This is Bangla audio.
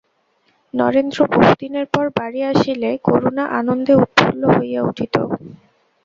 নরেন্দ্র বহুদিনের পর বাড়ি আসিলে করুণা আনন্দে উৎফুল্ল হইয়া উঠিত।